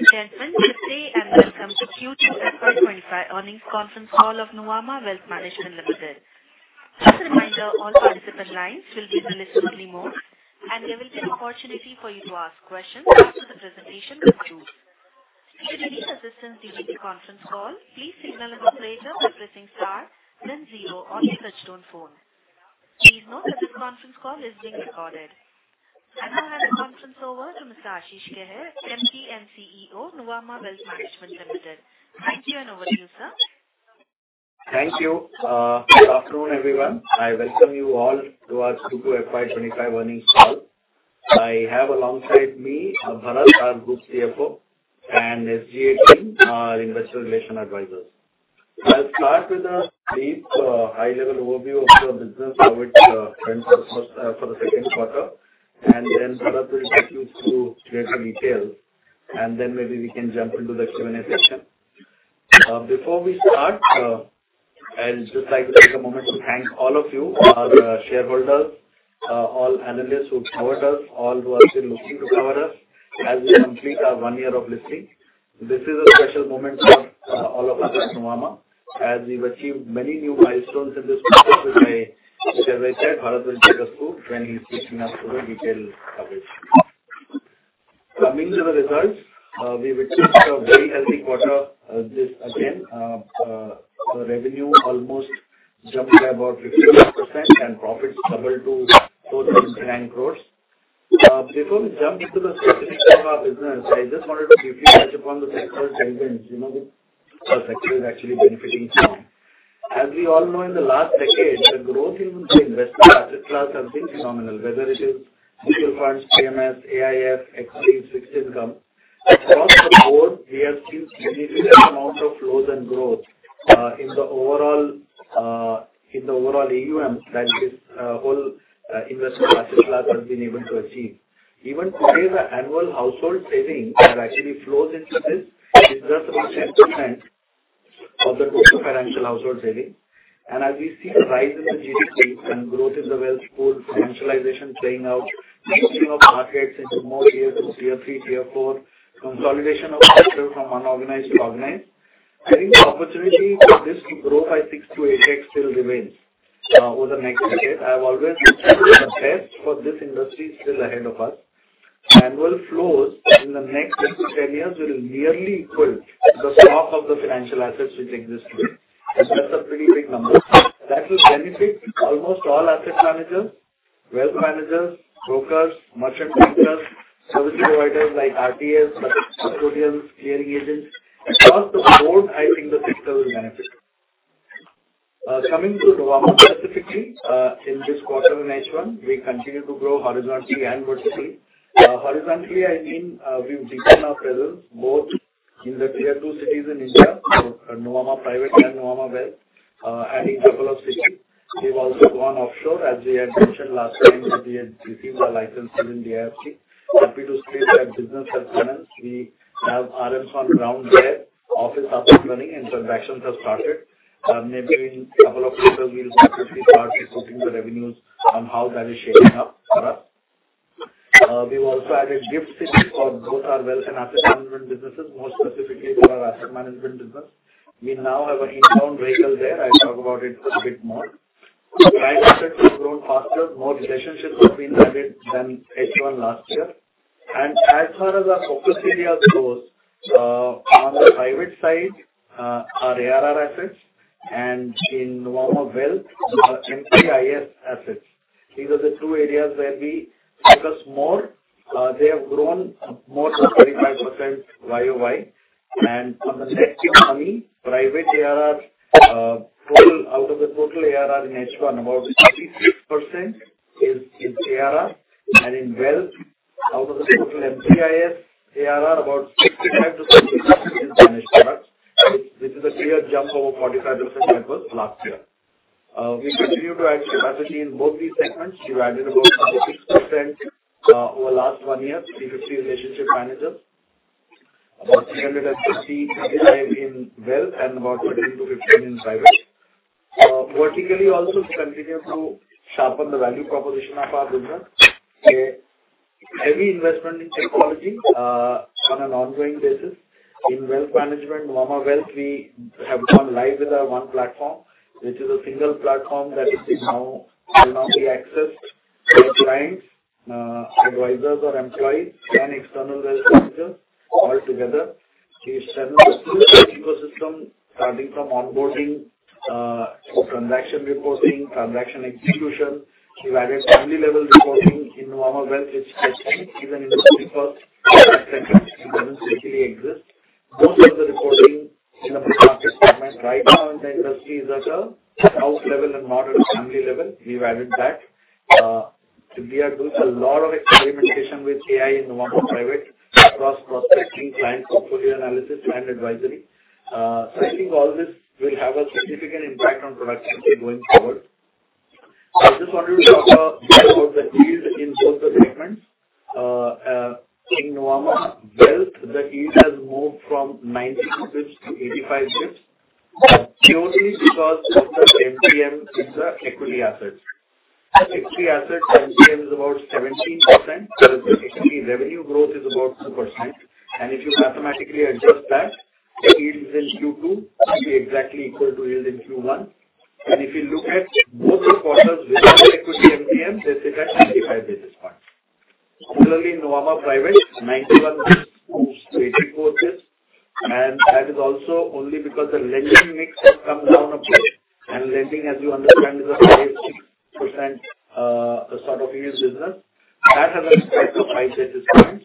Ladies and gentlemen, good day, and welcome to Q2 FY 2025 earnings conference call of Nuvama Wealth Management Limited. Just a reminder, all participant lines will be in listen-only mode, and there will be an opportunity for you to ask questions after the presentation concludes. If you need any assistance during the conference call, please signal an operator by pressing star then zero on your touch-tone phone. Please note that this conference call is being recorded. I now hand the conference over to Mr. Ashish Kehair, MD and CEO, Nuvama Wealth Management Limited. Thank you, and over to you, sir. Thank you. Good afternoon, everyone. I welcome you all to our Q2 FY 2025 earnings call. I have alongside me, Bharat, our group CFO, and SGA, our investor relation advisors. I'll start with a brief, high-level overview of our business, how it went for the second quarter, and then Bharat will take you through greater detail, and then maybe we can jump into the Q&A session. Before we start, I'd just like to take a moment to thank all of you, all the shareholders, all analysts who've covered us, all who have been looking to cover us as we complete our one year of listing. This is a special moment for all of us at Nuvama, as we've achieved many new milestones in this quarter, which I, as I said, Bharat will take us through when he's taking us through the detailed coverage. Coming to the results, we've achieved a very healthy quarter, this again. Our revenue almost jumped by about 51%, and profits doubled to 4.9 crores. Before we jump into the second of our business, I just wanted to briefly touch upon the sectoral trends, you know, which our sector is actually benefiting from. As we all know, in the last decade, the growth in the investment asset class has been phenomenal, whether it is mutual funds, PMS, AIF, equity, fixed income. Across the board, we have seen significant amount of flows and growth, in the overall AUM, that is, whole investment asset class has been able to achieve. Even today, the annual household savings that actually flows into this is just about 10% of the total financial household saving. And as we see a rise in the GDP and growth in the wealth pool, financialization playing out, pushing up markets into more tier two, tier three, tier four, consolidation of sector from unorganized to organized. I think the opportunity for this to grow by six to eight X still remains, over the next decade. I have always said the best for this industry is still ahead of us. Annual flows in the next 10 years will nearly equal the stock of the financial assets which exist today, and that's a pretty big number. That will benefit almost all asset managers, wealth managers, brokers, merchant bankers, service providers like RTA, custodians, clearing agents. Across the board, I think the sector will benefit. Coming to Nuvama specifically, in this quarter in H1, we continue to grow horizontally and vertically. Horizontally, I mean, we've deepened our presence both in the tier two cities in India, so Nuvama Private and Nuvama Wealth, adding couple of cities. We've also gone offshore, as we had mentioned last time that we had received our licenses in DIFC. Happy to state that business has commenced. We have RMs on ground there, office up and running, and transactions have started. Maybe in a couple of quarters, we'll be happy to start reporting the revenues on how that is shaping up for us. We've also added GIFT City for both our wealth and asset management businesses, more specifically for our asset management business. We now have an office there. I'll talk about it a bit more. Private assets have grown faster, more relationships have been added than H1 last year. And as far as our focus areas goes, on the private side, our ARR assets and in Nuvama Wealth, MPIS assets. These are the two areas where we focus more. They have grown more than 35% YOY. And on the next economy, private ARR, total out of the total ARR in H1, about 66% is ARR. And in Wealth, out of the total MCIS, ARR about 65%-70% in managed products, which is a clear jump over 45% that was last year. We continue to add capacity in both these segments. We've added about 60% over the last one year, 150 relationship managers. About 350 in wealth and about 13-15 in private. Vertically, also, we continue to sharpen the value proposition of our business. A heavy investment in technology on an ongoing basis. In wealth management, Nuvama Wealth, we have gone live with our One Platform, which is a single platform that is now, will now be accessed by clients, advisors or employees, and external service providers all together. We've streamlined the ecosystem starting from onboarding to transaction reporting, transaction execution. We've added family level reporting in Nuvama Wealth, which I think even in the twenty-first century, it doesn't really exist. Most of the reporting in the public market segment right now in the industry is at a house level and not at a family level. We've added that. We are doing a lot of experimentation with AI in Nuvama Private, cross-post testing, client portfolio analysis, and advisory. So I think all this will have a significant impact on productivity going forward. I just wanted to talk a bit about the yield in both the segments. In Nuvama Wealth, the yield has moved from 90 basis points to 85 basis points, purely because of the MTM in the equity assets. Equity assets MTM is about 17%, so essentially revenue growth is about 2%. And if you mathematically adjust that, yields in Q2 will be exactly equal to yields in Q1. And if you look at both the quarters without equity MTM, they sit at fifty-five basis points. Similarly, in Nuvama Private, ninety-one basis points, eighty-four basis points, and that is also only because the lending mix has come down a bit. And lending, as you understand, is a 5%-6% sort of yield business. That has an impact of five basis points, and one advisory inflow of around six crores have an impact of one basis point.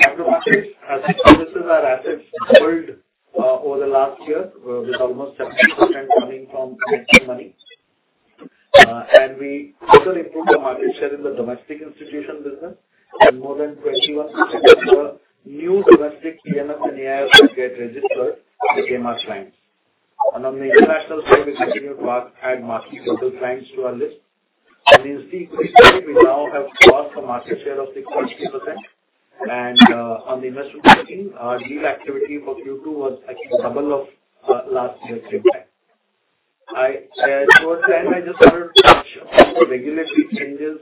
In after markets, Asset Services, our assets doubled over the last year with almost 70% coming from net new money. And we further improved the market share in the domestic institution business, and more than 21% of the new domestic PMS and AIF get registered with KMR clients. On the international side, we continue to add marquee global clients to our list. In securities, we now have crossed a market share of 63%. On the investment banking, our deal activity for Q2 was actually double of last year's impact. I, towards the end, I just wanted to touch on the regulatory changes,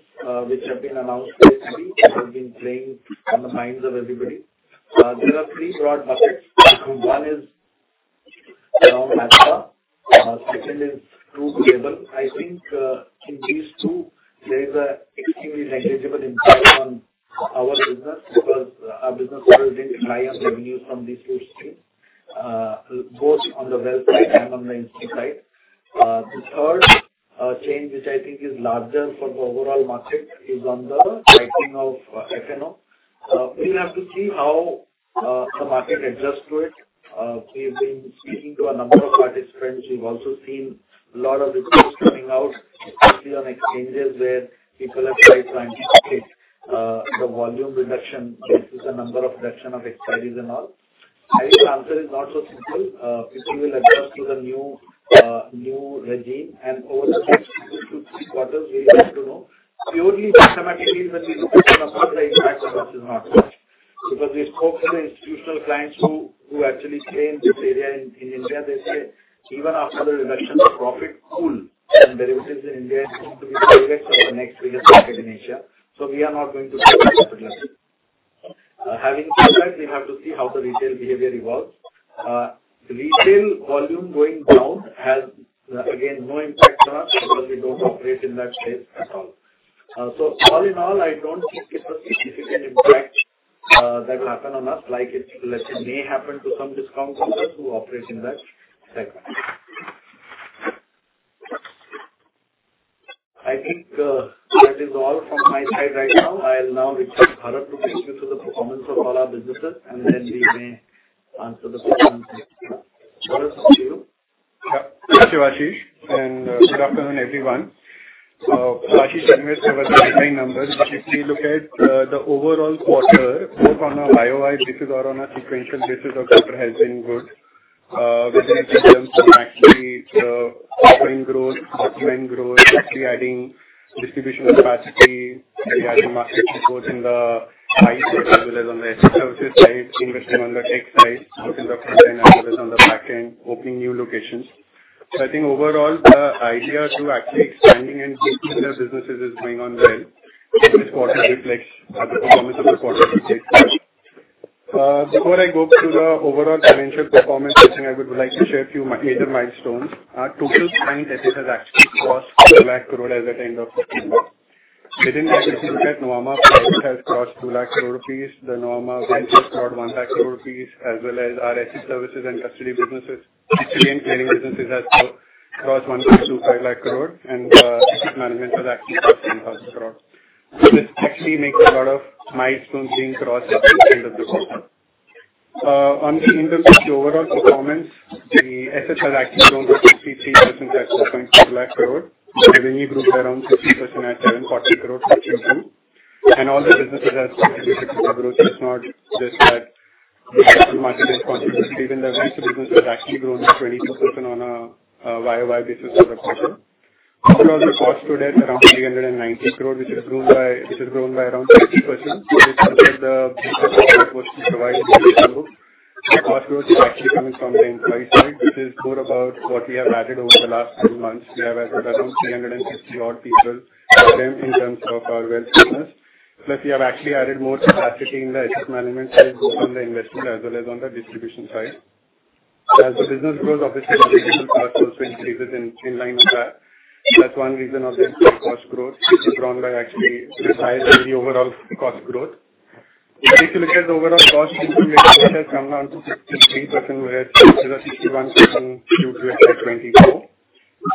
which have been announced recently, which have been playing on the minds of everybody. There are three broad buckets. One is around APMI, second is True to Label. I think, in these two, there is a extremely negligible impact on our business, because our business models bring higher revenues from these two streams, both on the wealth side and on the institute side. The third change, which I think is larger for the overall market, is on the writing of F&O. We'll have to see how the market adjusts to it. We've been speaking to a number of participants. We've also seen a lot of reports coming out, especially on exchanges, where people have tried to anticipate the volume reduction due to the reduction in number of exchanges and all. I think the answer is not so simple. People will adjust to the new regime, and over the next two to three quarters, we'll get to know. Purely systematically, when we look at the impact on us is not much, because we spoke to the institutional clients who actually trade this area in India. They say segment. I think, that is all from my side right now. I'll now request Bharat to take you through the performance of all our businesses, and then we may answer the questions. Bharat, over to you. Yeah. Thank you, Ashish, and good afternoon, everyone. Ashish conveyed our guideline numbers. If we look at the overall quarter, both on a YOY basis or on a sequential basis, our quarter has been good. Whether it is from actually revenue growth, AUM growth, actually adding distribution capacity, adding market support in the HNI side as well as on the asset services side, investing on the tech side, both in the front end as well as on the back end, opening new locations. So I think overall, the idea to actually expanding in different businesses is going on well, and this quarter reflects the performance of the quarter. Before I go through the overall financial performance, I think I would like to share a few major milestones. Our total client assets has actually crossed two lakh crore as at end of fifteen months. Within asset management, Nuvama Private has crossed INR 2 lakh crore. Nuvama Wealth has crossed 1 lakh crore rupees, as well as our asset services and custody businesses, especially in clearing businesses, has crossed 1.25 lakh crore and asset management was actually INR 10,000 crore. So this actually makes a lot of milestones being crossed at the end of the quarter. In terms of the overall performance, the assets have actually grown by 63% at INR 4.2 lakh crore. Revenue grew by around 16% at 740 crore for Q2. And all the businesses have double digit growth. It's not just that the market is contributing. Even the bank, the business has actually grown by 22% on a YOY basis for the quarter. Total cost grew at around 390 crore, which has grown by around 30%. So the growth was provided. The cost growth is actually coming from the employee side, which is more about what we have added over the last 12 months. We have added around 350-odd people in terms of our wealth business. Plus, we have actually added more capacity in the asset management side, both on the investment as well as on the distribution side. As the business grows, obviously, the cost also increases in line with that. That's one reason of the cost growth, it's grown by actually higher than the overall cost growth. If you look at the overall cost, it has come down to 63%, whereas it was at 61% in Q1 24.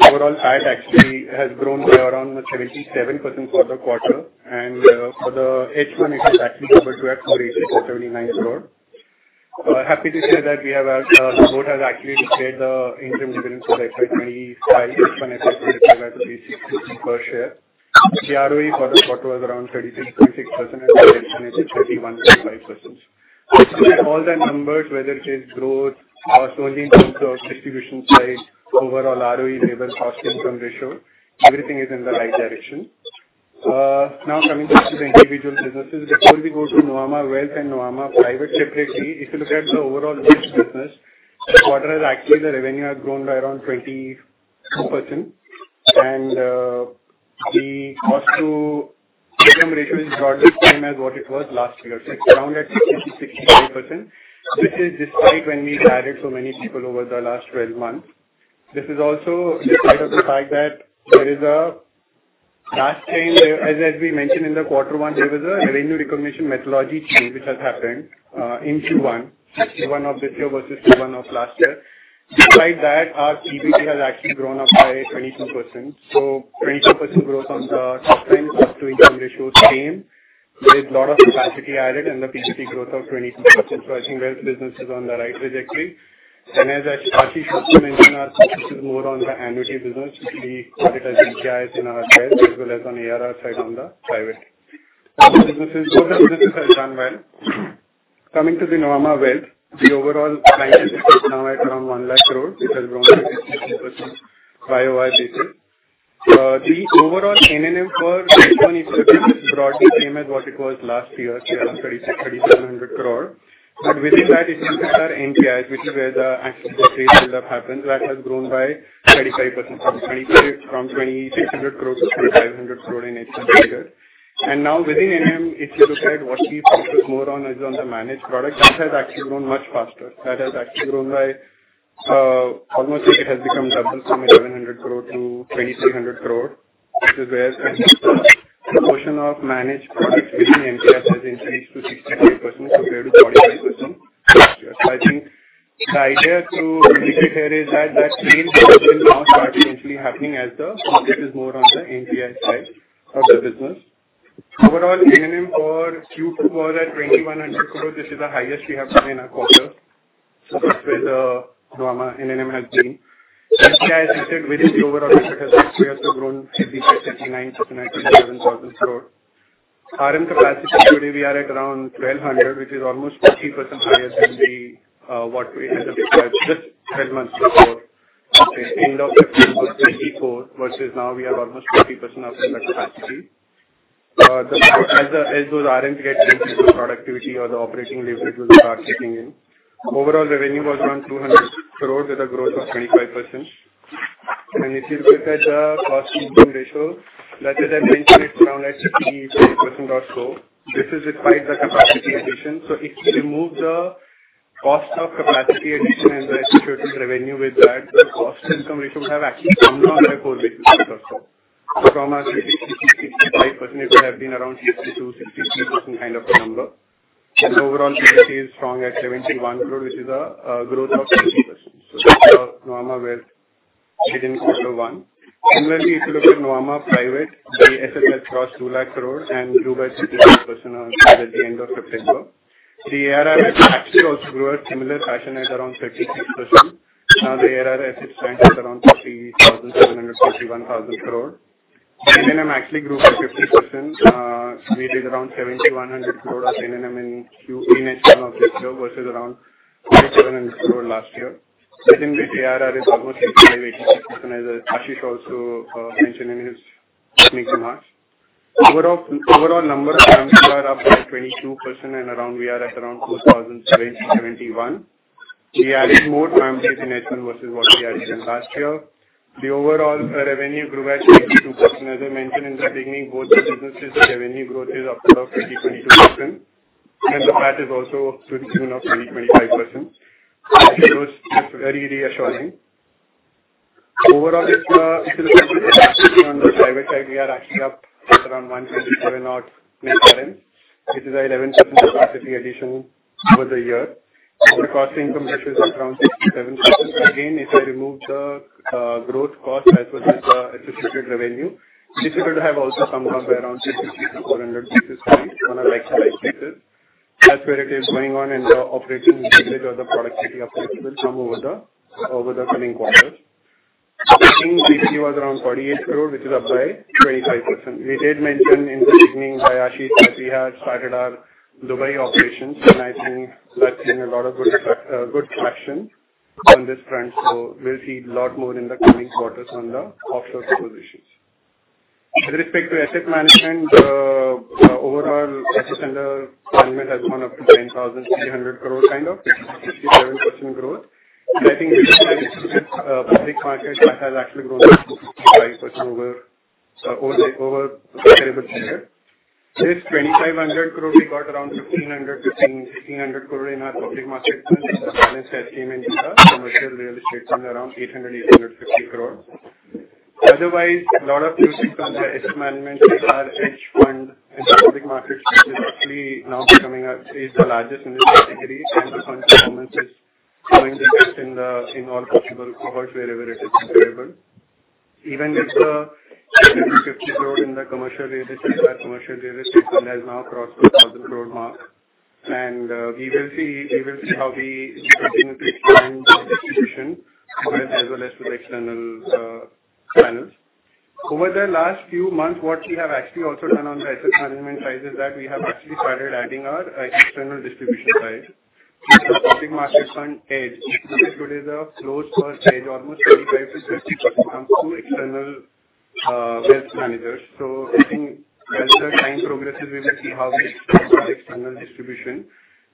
Overall, it actually has grown by around 77% for the quarter, and, for the H1, it has actually doubled to 484.79 crore. Happy to say that the board has actually declared the interim dividend for the FY 2025 at 0.36 per share. The ROE for the quarter was around 33.6% and H1 is 31.5%. All the numbers, whether it is growth or solely in terms of distribution side, overall ROE, cost to income ratio, everything is in the right direction. Now coming to the individual businesses. Before we go to Nuvama Wealth and Nuvama Private separately, if you look at the overall business, this quarter the revenue has actually grown by around 22% and, the cost to income ratio is broadly same as what it was last year. It's around at 63%-65%, which is despite when we added so many people over the last 12 months. This is also despite of the fact that there is a last change. As we mentioned in the quarter one, there was a revenue recognition methodology change which has happened in Q1 of this year versus Q1 of last year. Despite that, our PBT has actually grown up by 22%. So 22% growth on the top line, cost to income ratio is same, with a lot of capacity added and the PBT growth of 22%. So I think this business is on the right trajectory. And as Ashish mentioned, our focus is more on the annuity business. We call it as MPIs in our side as well as on ARR side, on the private. Other businesses have done well. Coming to the Nuvama Wealth, the overall AUM is now at around 1 lakh crore. It has grown by 60% YOY basis. The overall NNM for Q1 is broadly same as what it was last year, around 3,600-3,700 crore. But within that, it is our MPIs, which is where the actual build-up happens. That has grown by 35%, from 2,600 crore to 3,500 crore in H1. And now within AM, if you look at what we focused more on is on the managed product, which has actually grown much faster. That has actually grown by almost like it has become double from 1,100 crore toINR 2,300 crore, which is where the portion of managed products within MPI has increased to 63%, compared to 45% last year. I think the idea through here is that that change has been now starting to actually happen as the focus is more on the NPI side of the business. Overall, NNM for Q2 was at INR 2,100 crore. This is the highest we have done in a quarter. That's where the Nuvama NNM has been. NPI as I said within the overall, it has actually also grown 5,659 to 19,000 crore. RM capacity, today we are at around 1,200, which is almost 50% higher than the what we had just 12 months before. End of September 2024 versus now we are almost 50% of the capacity. As the, as those RMs get into productivity or the operating leverage will start kicking in. Overall revenue was around 200 crore with a growth of 25%. If you look at the cost-to-income ratio, as I mentioned, it's around 63% or so. This is despite the capacity addition. If you remove the cost of capacity addition and the associated revenue with that, the cost-to-income ratio would have actually come down by 4 basis points or so. From our 60-65%, it would have been around 62%-63% kind of a number. Overall, PBT is strong at 71 crore, which is a growth of 50%. That's Nuvama Wealth within Quarter One. Similarly, if you look at Nuvama Private, the asset has crossed two lakh crore and grew by 52% as at the end of September. The ARR has actually also grew a similar fashion at around 56%. The ARR at this point is around INR 30,000-INR 31,000 crore. NNM actually grew by 50%, which is around 7,100 crore of NNM in H1 of this year, versus around 3,700 crore last year. Within the ARR is almost 65%-80%, as Ashish also mentioned in his opening remarks. Overall numbers are up by 22% and we are at around 2,071. We added more families in H1 versus what we added in last year. The overall revenue grew at 32%. As I mentioned in the beginning, both the businesses revenue growth is up around 22%, and the PAT is also up to the tune of 25%. Those are very reassuring. Overall, it's if you look at we are actually up at around 157 million, which is an 11% capacity addition over the year. Our cost income ratio is around 67%. Again, if I remove the growth cost as well as the associated revenue, this would have also come up by around 60 to 400 basis points on a like-for-like basis. As it is going on in the operating leverage or the productivity effect will come over the coming quarters. I think PAT was around 48 crore, which is up by 25%. We did mention in the beginning by Ashish that we had started our Dubai operations, and I think that's been a lot of good effect, good traction on this front, so we'll see a lot more in the coming quarters on the offshore positions. With respect to asset management, overall, assets under management has gone up to 10,300 crore, kind of, which is a 57% growth. I think this is public market that has actually grown by 55% over the available year. This 2,500 crore, we got around 1,500-1,600 crore in our public market. Since balance has came in commercial real estate from around 800-850 crore. Otherwise, a lot of new asset management is our Edge fund in the public market, which is actually now the largest in this category, and the fund performance is doing great in all possible cohorts wherever it is available. Even with the 150 crore in the commercial real estate, our commercial real estate fund has now crossed the 1,000 crore mark. We will see how we continue to expand the distribution as well as to the external channels. Over the last few months, what we have actually also done on the asset management side is that we have actually started adding our external distribution side. The public market fund Edge, which is today the close per stage, almost 35%-30%, come through external wealth managers. So I think as the time progresses, we will see how the external distribution.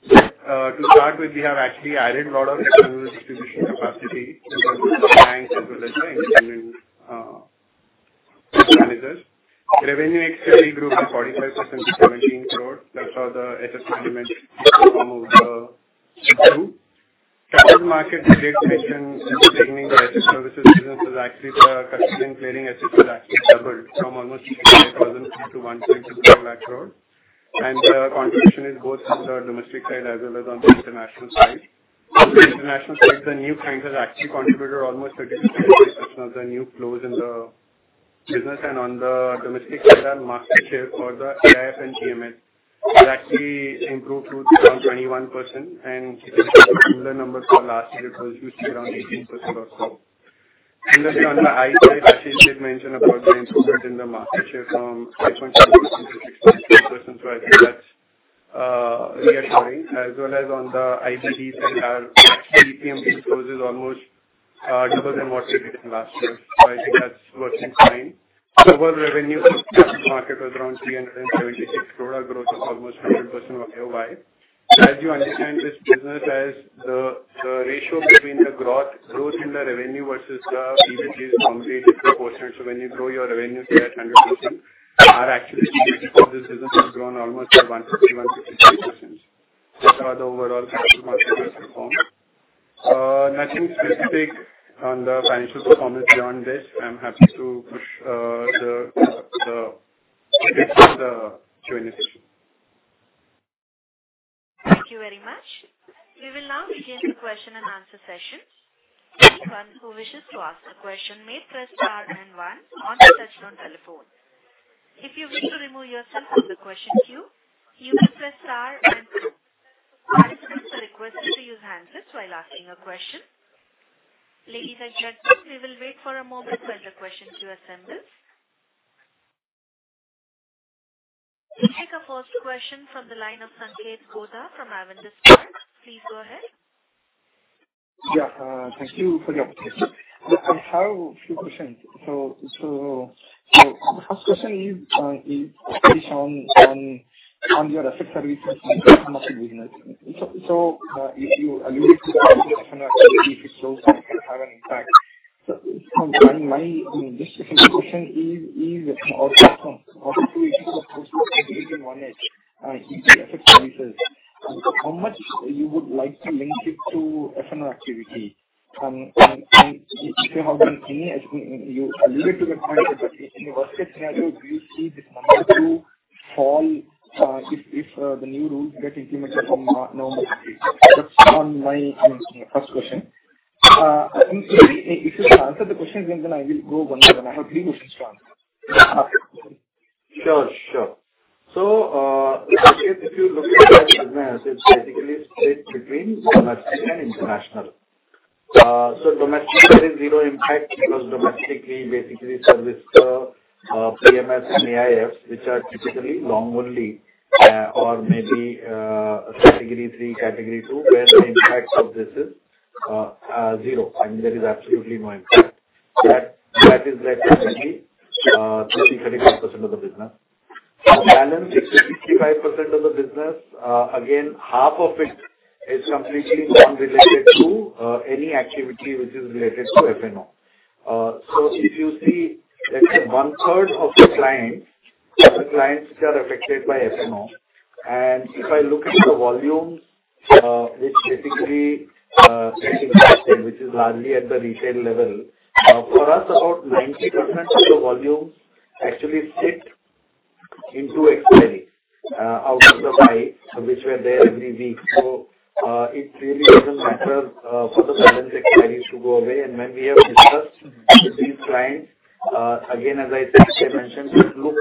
To start with, we have actually added a lot of external distribution capacity in the banks as well as the investment managers. Revenue actually grew by 45% to 17 crore. That's how the asset management perform over the group. Capital market generation in the beginning, the asset services business was actually the custodian clearing assets was actually doubled from almost 65,000 to 1.4 lakh crore. And the contribution is both from the domestic side as well as on the international side. International side, the new clients has actually contributed almost 30%-35% of the new flows in the business, and on the domestic side, our market share for the AIF and PMS has actually improved to around 21%, and similar numbers for last year, it was usually around 18% or so. On the IE side, Ashish did mention about the improvement in the market share from 5.5% to 6.2%, so I think that's reassuring. As well as on the IBD closes almost double than what we did last year. So I think that's worth implying. Overall revenue market was around 376 crore, a growth of almost 100% year-over-year. As you understand this business, as the ratio between the growth in the revenue versus the EBITDA is completely 4%. So when you grow your revenue by 100%, our, actually, of this business has grown almost by 150%-155%. That's how the overall capital market has performed. Nothing specific on the financial performance beyond this. I'm happy to push the Q&A session. Thank you very much. We will now begin the question and answer session. Anyone who wishes to ask a question may press star and one on your touchtone telephone. If you wish to remove yourself from the question queue, you may press star and two. Participants are requested to use handsets while asking a question. Ladies and gentlemen, we will wait for a moment while the question queue assembles. We'll take our first question from the line of Sanketh Godha from Avendus Spark. Please go ahead. Yeah. Thank you for the update. I have a few questions. So the first question is based on your Asset Services, how much business? So if you allude to the F&O activity, so that can have an impact. So my specific question is how the approach in one edge Asset Services, how much you would like to link it to F&O activity? And if you have any, you alluded to the point, but in the worst-case scenario, do you see this number to fall if the new rules get implemented from November? That's my first question. And maybe if you can answer the question, then I will go one by one. I have three questions to ask. Sure, sure. So, if you look at that business, it's basically split between domestic and international, so domestically, there is zero impact because domestically, basically, service, PMS and AIF, which are typically long only, or maybe, category three, category two, where the impact of this is zero. I mean, there is absolutely no impact. That is roughly 35% of the business. Balance 65% of the business, again, half of it is completely non-related to any activity which is related to F&O, so if you see, let's say one third of the clients, the clients which are affected by F&O, and if I look at the volumes which basically is largely at the retail level. For us, about 90% of the volume actually sits into expiry, out of the buy, which were there every week. So, it really doesn't matter, for the current expiries to go away. And when we have discussed with these clients, again, as I said, I mentioned, look,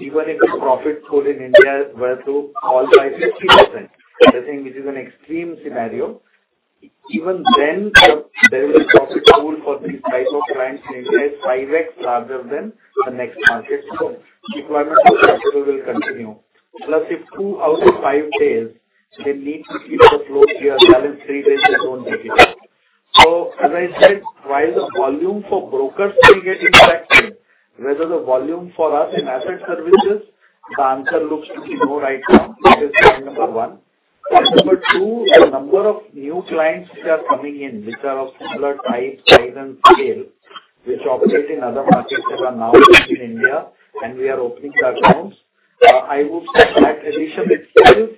even if the profit pool in India were to fall by 50%, they're saying this is an extreme scenario. Even then, there is a profit pool for these type of clients in India is 5x larger than the next market. So requirement for F&O will continue. Plus, if two out of five days they need to keep the flow clear, balance three days, they don't take it up. So as I said, while the volume for brokers may get impacted, whether the volume for us in asset services, the answer looks to be no right now, which is point number one. Number two, the number of new clients which are coming in, which are of similar type, size, and scale, which operate in other markets that are now in India, and we are opening the accounts. I would say that addition itself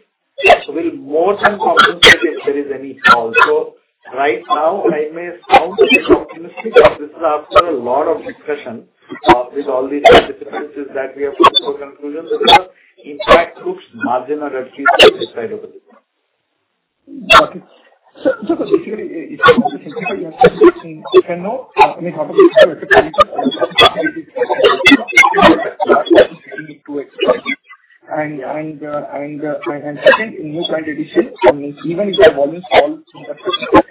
will more than compensate if there is any fall. So right now, I may sound a bit optimistic, but this is after a lot of discussion, with all the participants is that we have come to a conclusion that the impact looks marginal, at least from this side of it. Okay. So basically, if I want to simplify your section, I know, I mean, how to and second, new client addition. So means even if the volume falls in the first quarter,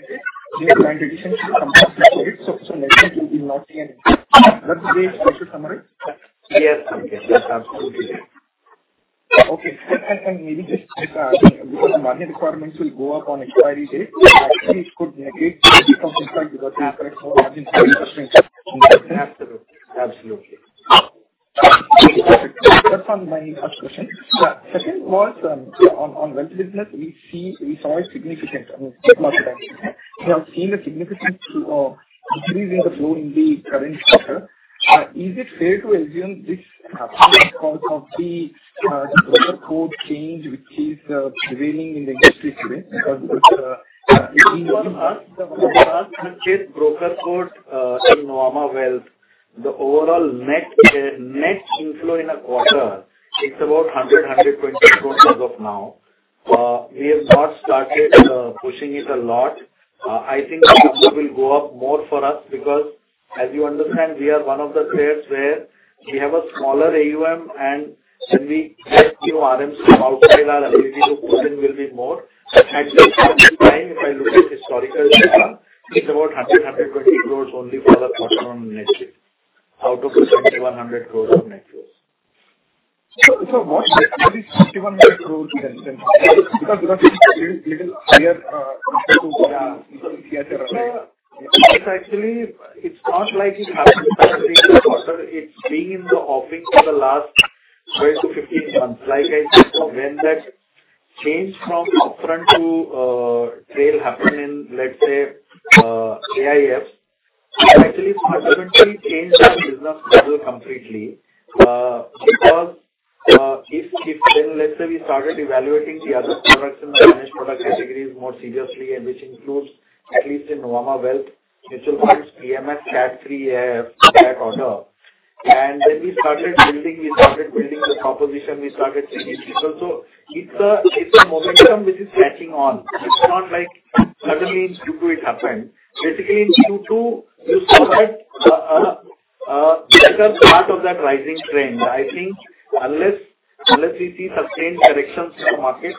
new client addition should compensate. So will be not an issue. That's the way I should summarize? Yes. Okay. Yes, absolutely. Okay. And maybe just, because the margin requirements will go up on expiry date, actually it could negate because impact, because you're correct. Absolutely. Absolutely. That's on my first question. Yeah. Second was on wealth business. We saw a significant, I mean, we have seen a significant decrease in the flow in the current quarter. Is it fair to assume this happened because of the broker code change, which is prevailing in the industry today? Because broker code, in Nuvama Wealth, the overall net net inflow in a quarter, it's about 120 crores as of now. We have not started pushing it a lot. I think the number will go up more for us, because as you understand, we are one of the players where we have a smaller AUM, and when we get new RMs outside, our ability to push in will be more. At the same time, if I look at historical data, it's about 120 crores only for the bottom net, out of the 7,100 crores of net flows. So, what this INR 6,100 crores? Because little higher, yeah. It's actually, it's not like it happened in the quarter. It's been in the offing for the last twelve to fifteen months. Like I said, when that change from upfront to trail happened in, let's say, AIF, it actually fundamentally changed our business model completely. Because, if then, let's say we started evaluating the other products in the managed product categories more seriously, and which includes, at least in Nuvama Wealth, mutual funds, PMS, that three, that order. And then we started building the proposition, we started seeing it. So it's a momentum which is catching on. It's not like suddenly in Q2 it happened. Basically, in Q2, you saw that better part of that rising trend. I think unless we see sustained corrections in the market,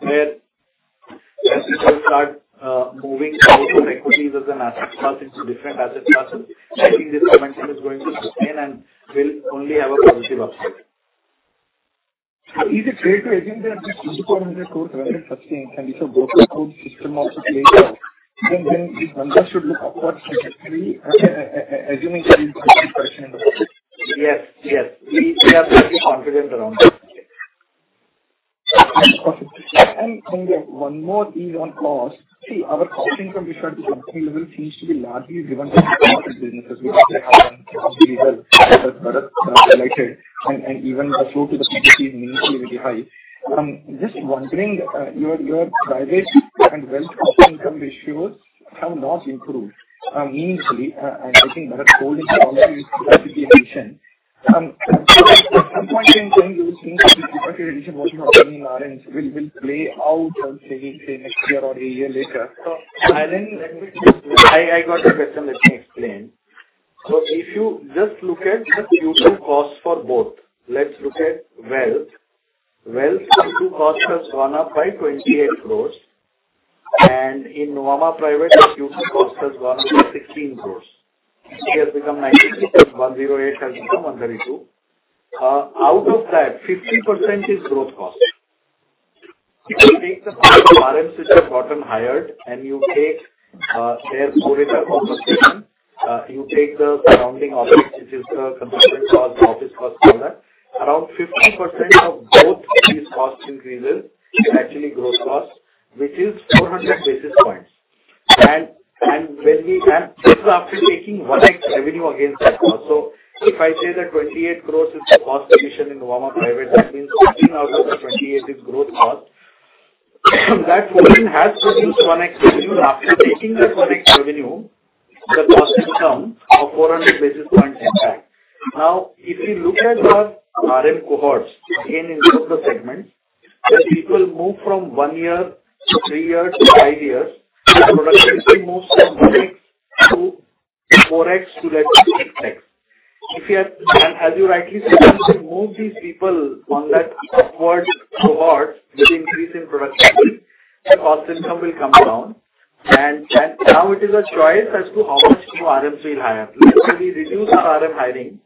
where people start moving out of equities as an asset class into different asset classes, I think this momentum is going to sustain and will only have a positive upside. Is it fair to assume that this INR 200 crore very sustained, and it's a brokerage system also plays out, then these numbers should look upwards like 300, assuming there is no correction in the market? Yes, yes. We are pretty confident around that. Okay. One more is on cost. See, our costing from different company level seems to be largely driven by businesses and even the flow to the CDC is meaningfully really high. Just wondering, your private and wealth cost income ratios have not improved meaningfully. And I think that holding probably is the addition. At some point in time, you think addition what happening in orange will play out, say next year or a year later? And then let me. I got your question. Let me explain. So if you just look at the additional costs for both, let's look at wealth. Wealth costs too has gone up by 28 crores, and in Nuvama Private, the additional costs has gone up to 16 crores. It has become 96, 108 has become 132. Out of that, 50% is growth cost. If you take the RMs, which have gotten hired, and you take their four-week accommodation, you take the satellite office, which is the compensation cost, the office cost, all that. Around 50% of both these cost increases is actually growth cost, which is 400 basis points. This is after taking 1x revenue against that cost. So if I say that 28 crore is the cost division in Nuvama Private, that means 14 crore out of the 28 is growth cost. That 14 has to use one X revenue. After taking that one X revenue, the cost income of 400 basis points impact. Now, if you look at our RM cohorts, again, in segment, as people move from one year to three years to five years, productivity moves from 1x to 4x to, like, 6x. If you have, and as you rightly said, if you move these people on that upward cohort with increase in productivity, the cost income will come down. And now it is a choice as to how much new RMs we'll hire. Let's say, we reduce our RM hiring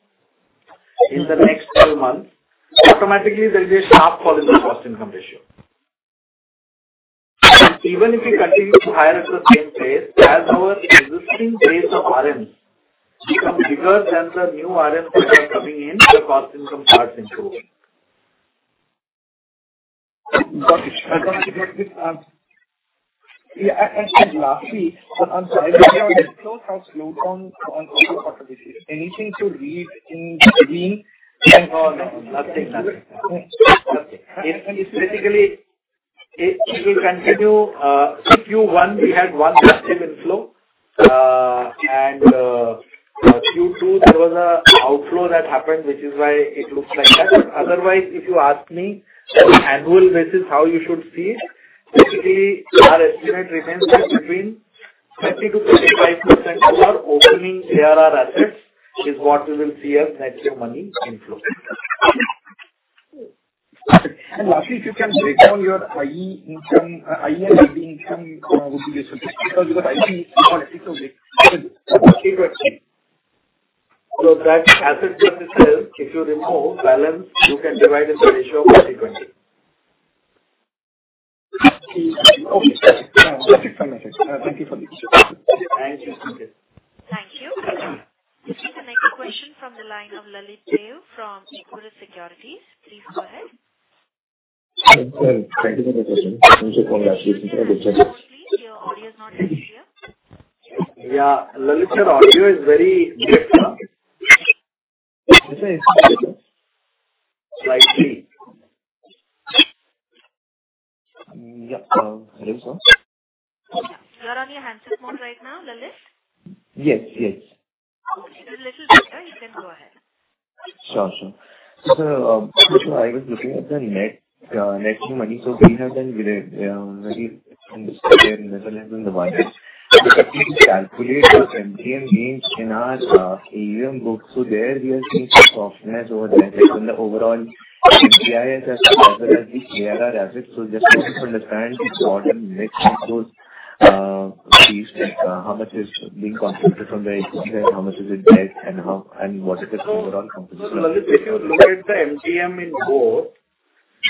in the next few months, automatically, there'll be a sharp fall in the cost-income ratio. Even if we continue to hire at the same pace as our existing base of RMs become bigger than the new RMs which are coming in, the cost-income starts improving. Got it. I got it. Yeah, and lastly, so I saw the slowdown on outflow participation. Anything to read into it or no? Nothing, nothing. It's basically it will continue. So Q1, we had one-time inflow, and Q2, there was an outflow that happened, which is why it looks like that. Otherwise, if you ask me on an annual basis, how you should see it, basically, our estimate remains that between 50%-55% of our opening ARR assets is what we will see as net new money inflow. And lastly, if you can break down your IE income, IE and IB income, would be useful, because IE is not equally. So that Asset Services itself, if you remove balance, you can divide it by a ratio of frequency. Okay. Perfect. Perfect. Thank you for the answer. Thank you. Thank you. This is the next question from the line of Lalit Deo from Equirus Securities. Please go ahead. Thank you for the question. Congratulations on the good results. Your audio is not very clear. Yeah, Lalit, your audio is very different. This is better? Slightly. Yeah. Hello, sir. You're on your handset mode right now, Lalit? Yes, yes. Okay. It's a little better. You can go ahead. Sure, sure. So, I was looking at the net new money. So we have done very, very in the market. But if we calculate the MTM gains in our AUM books, so there we are seeing some softness over there from the overall MPIS as well as the ARR assets. So just to understand what the net inflows fees, like, how much is being contributed from the equity, and how much is it debt, and what is the overall composition? So if you look at the MGM in both,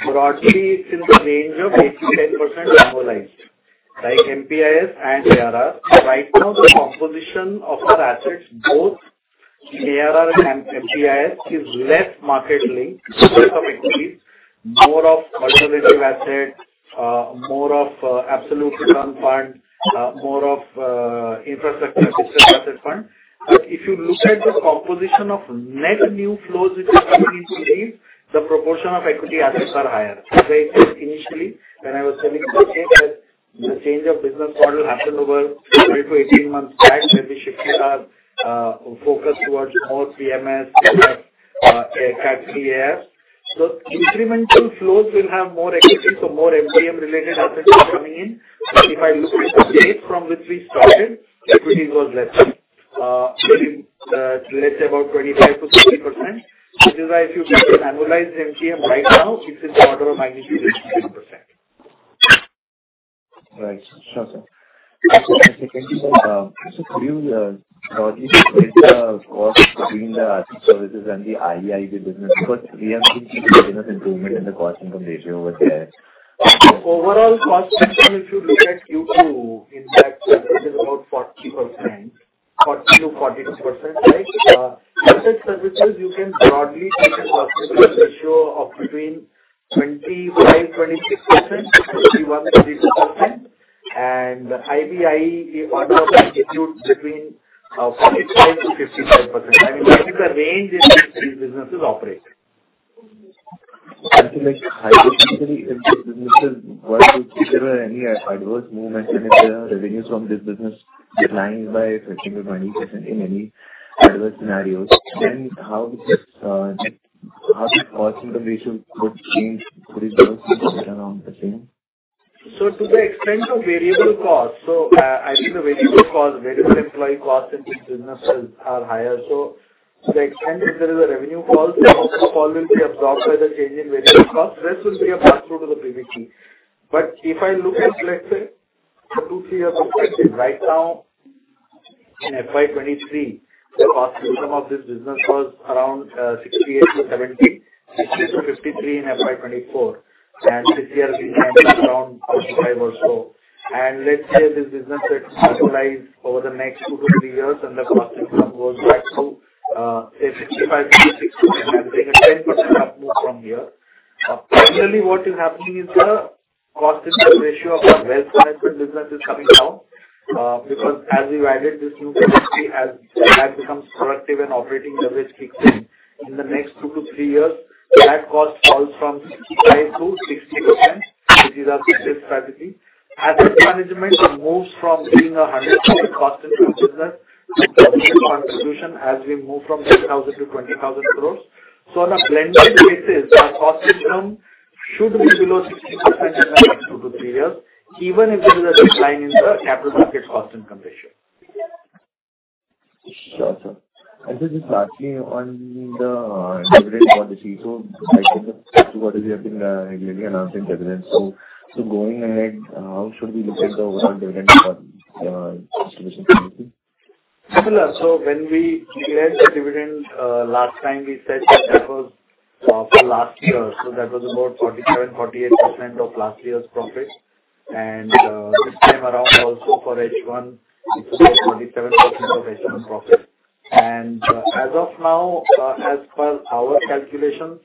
broadly, it's in the range of eight to 10% annualized, like MPIS and ARR. Right now, the composition of our assets, both ARR and MPIS, is less market-linked equities, more conservative assets, more absolute return fund, more infrastructure asset fund. But if you look at the composition of net new flows, which is coming in, the proportion of equity assets are higher. As I said initially, when I was telling you that the change of business model happened over 12 to 18 months back, when we shifted our focus towards more PMS category. So incremental flows will have more equity, so more MGM-related assets are coming in. If I look at the date from which we started, equity was less, let's say about 25%-30%. Which is why, if you look at annualized MGM right now, it's in the order of magnitude of 6%. Right. Sure, sir. Secondly, so could you explain the cost between the services and the IEIB business? Because we are seeing enough improvement in the cost-income ratio over there. Overall cost ratio, if you look at Q2, in fact, services is about 40%, 40%-42%, right? Asset services, you can broadly take a cost-income ratio of between 25%-26% to 31%-32%. And IEIE, one of the institutes between 47%-55%. I mean, that is the range in which these businesses operate. Okay, like, hypothetically, if the businesses were to... If there were any adverse movement in the revenues from this business declined by 15%-20% in any adverse scenarios, then how would this, how the cost-to-income ratio would change for these businesses around the same? So to the extent of variable costs, so, I think the variable costs, variable employee costs in these businesses are higher. So to the extent if there is a revenue fall, the fall will be absorbed by the change in variable costs. Rest will be a pass-through to the previous fee. But if I look at, let's say, two, three years perspective, right now, in FY 2023, the cost income of this business was around 68-70, 60-53 in FY 2024, and this year will be around 45 or so. And let's say this business gets stabilized over the next two to three years, and the cost income goes back to, say, 65, 66, and I take a 10% up move from here. Generally, what is happening is the cost-to-income ratio of our wealth management business is coming down, because as we've added this new capacity, as becomes productive and operating leverage kicks in. In the next two to three years, that cost falls from 65% to 60%, which is our fixed strategy. Asset management moves from being a 100% cost-to-income business contribution as we move from 10,000 to 20,000 crores. So on a blended basis, our cost-to-income should be below 60% in the next two to three years, even if there is a decline in the capital market cost-to-income ratio. Sure, sir. I just lastly on the dividend policy. So I think what is being regularly announced in dividends. So going ahead, how should we look at the overall dividend distribution? Similar. So when we declared the dividend last time, we said that that was for last year, so that was about 47%-48% of last year's profit. And this time around also for H1, it was 47% of H1 profit. And as of now, as per our calculations,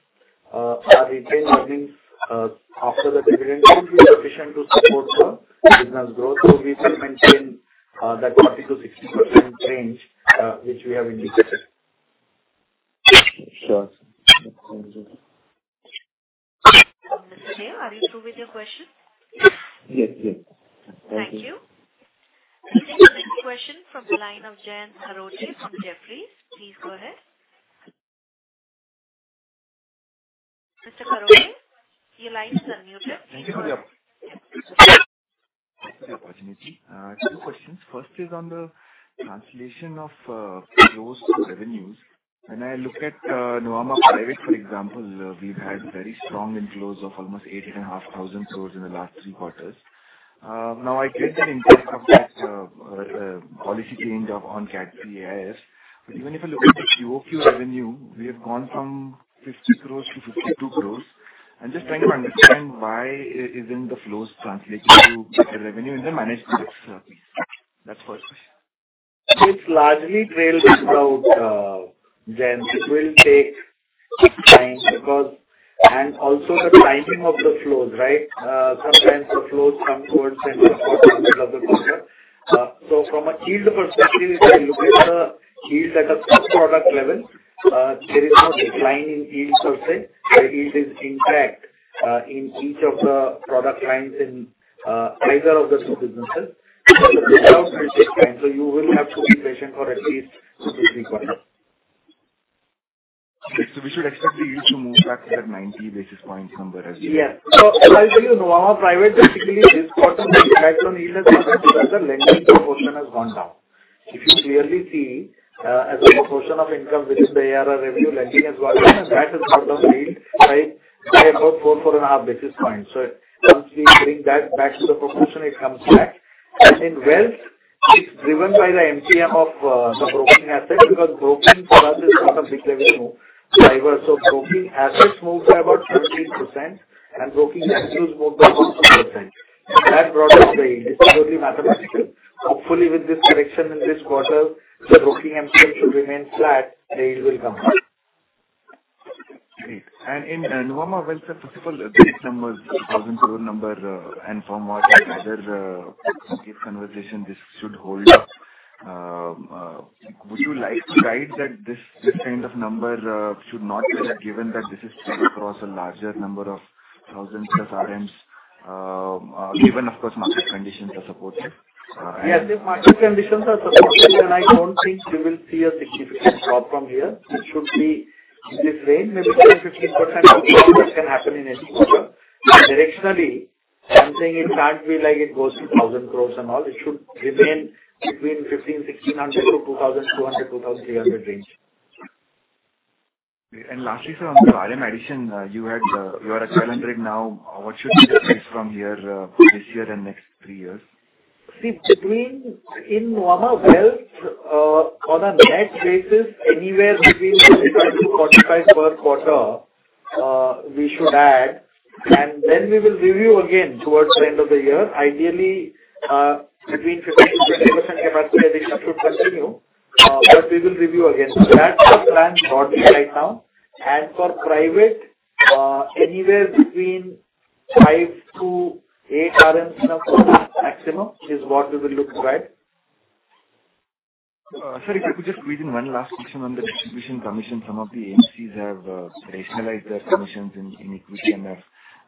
our retained earnings after the dividend should be sufficient to support the business growth. So we will maintain that 40%-60% range which we have indicated. Sure. Thank you. Mr. Jay, are you through with your question? Yes, yes. Thank you. The next question from the line of Jayant Kharote from Jefferies. Please go ahead. Mr. Kharote, your line is unmuted. Thank you. Two questions. First is on the translation of flows to revenues. When I look at Nuvama Private, for example, we've had very strong inflows of almost eight and a half thousand crores in the last three quarters. Now, I get that in terms of that policy change of on trial basis. But even if I look at the QOQ revenue, we have gone from 50 crores to 52 crores. I'm just trying to understand why is in the flows translating to revenue in the managed service? That's first question. It's largely trailed without, then it will take time because. And also the timing of the flows, right? Sometimes the flows come towards the end of the quarter. So from a yield perspective, if I look at the yield at a sub-product level, there is no decline in yield per se. The yield is intact, in each of the product lines in, either of the two businesses. So you will have to be patient for at least two to three quarters. So we should expect the yield to move back to that 90 basis points number as. Yes. So I'll tell you, Nuvama Private, basically this quarter, the impact on yield as a lending proportion has gone down. If you clearly see, as a proportion of income, which is the ARR revenue, lending as well, that has gone up yield by about four, four and a half basis points. So once we bring that back to the proportion, it comes back. And in Wealth, it's driven by the MCM of the broking assets, because broking for us is not a big level driver. So broking assets moved by about 13%, and broking inflows moved by 2%. That brought up the, it's totally mathematical. Hopefully, with this correction in this quarter, the broking MCM should remain flat, and it will come up. Great. And in Nuvama Wealth, sir, first of all, the numbers, thousand crore number, and from what other brief conversation, this should hold. Would you like to guide that this, this kind of number should not be given that this is spread across a larger number of thousand plus RMs, given, of course, market conditions are supportive? Yes, if market conditions are supportive, then I don't think we will see a significant drop from here. It should be in this range, maybe 10-15% can happen in any quarter. Directionally, I'm saying it can't be like it goes to 1,000 crores and all. It should remain between 1,500-1,600 to 2,200-2,300 range. Lastly, sir, on the RM addition, you had, you are at 1,200 now. What should be the case from here, this year and next three years? See, between in Nuvama Wealth, on a net basis, anywhere between 35-45 per quarter, we should add, and then we will review again towards the end of the year. Ideally, between 15-20% capacity addition should continue, but we will review again. So that's the plan broadly right now. And for Private, anywhere between 5-8 RMs maximum is what we will look right. Sir, if I could just squeeze in one last question on the distribution commission. Some of the AMCs have rationalized their commissions in equity MF.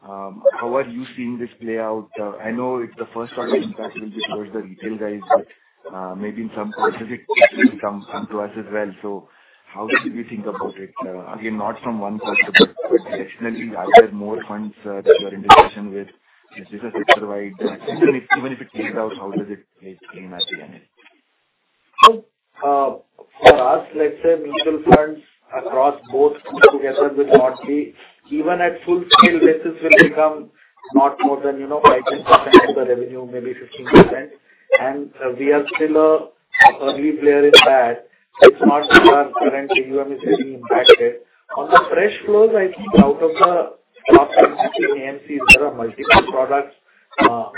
How are you seeing this play out? I know it's the first time the impact will be towards the retail guys, but maybe in some specific come to us as well. So how do we think about it? Again, not from one customer, but directionally, are there more funds that you are in discussion with because it provides, even if it takes out, how does it play at the end? For us, let's say mutual funds across both together, even at full scale basis, will become not more than, you know, 5% of the revenue, maybe 15%. We are still a early player in that. It's not that our current AUM is getting impacted. On the fresh flows, I think out of the top AMC, AMCs, there are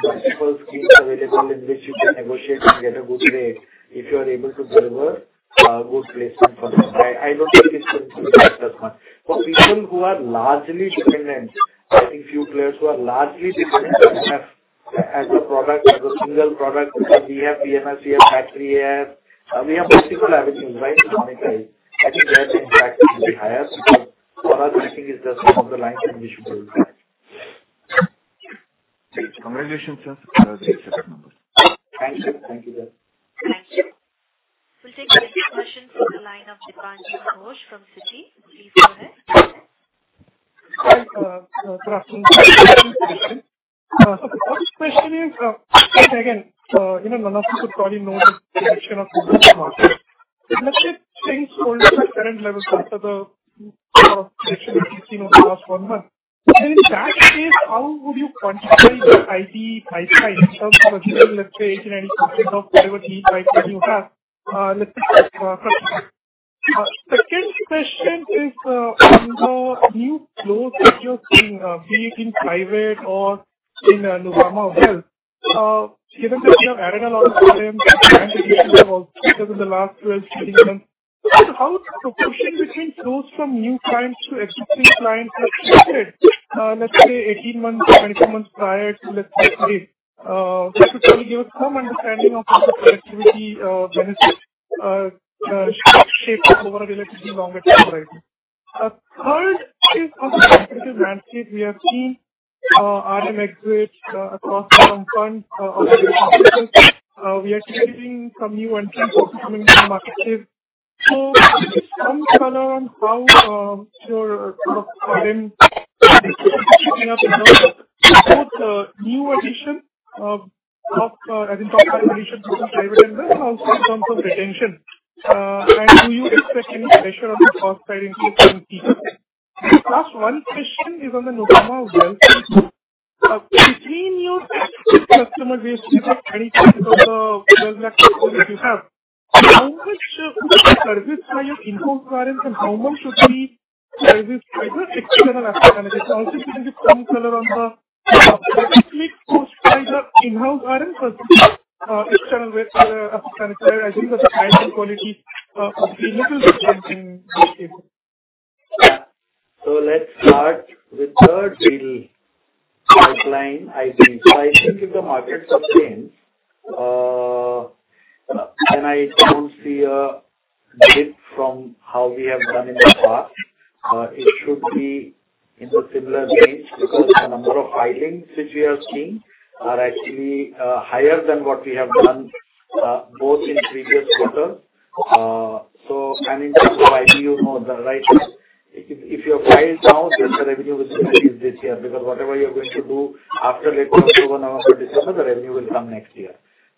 multiple schemes available in which you can negotiate and get a good rate if you are able to deliver good placement for them. I don't think it's going to be that much. For people who are largely dependent, I think few players who are largely dependent on MF as a product, as a single product, we have PMS, we have AIF, we have multiple avenues, right, to monetize. I think there the impact will be higher, but for us, I think it's just some of the lines in which we build. Congratulations, sir. Thank you so much. Thank you. Thank you, sir. Thank you. We'll take the next question from the line of Dipanjan Ghosh from Citi. Please go ahead. Hi, good afternoon. So the first question is, again, even none of you could probably know the direction of global market. Let's say things hold at the current levels after the correction we've seen over the last one month. So then, in that case, how would you contemplate your deal pipeline in terms of assuming, let's say, 80-90% of whatever deal pipeline you have? First. Second question is, on the new flows that you're seeing, be it in private or in Nuvama Wealth, given that you have added a lot of RMs and have also in the last 12, 18 months, how the proportion between flows from new clients to existing clients have shifted, let's say, 18 months, 24 months prior to, let's say, today? Just to probably give us some understanding of how the productivity benefits shape up over a relatively longer time frame. Third is on the competitive landscape. We have seen RM exits across some funds. We are seeing some new entrants also coming to the market space. So just some color on how your sort of time both new addition of, of, I think, addition to the private and also in terms of retention, and do you expect any pressure on the cost side in the current year? Last one question is on the Nuvama Wealth. Between your customer base, because of any of the players that you have, how much of the service by your in-house clients and how much would be serviced by the external asset managers? Also, if you can give some color on the specific cost by the in-house clients versus external asset manager, I think the quality a little bit in this case. So let's start with the third deal pipeline, I think. So I think if the market sustains, then I don't see a dip from how we have done in the past. It should be in the similar range, because the number of filings which we are seeing are actually higher than what we have done, both in previous quarter. So and in terms of IPO, more the right, if, if your file is down, then the revenue will be this year, because whatever you're going to do after late October, November, December, the revenue will come next year.